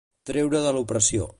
Treure de l'opressió.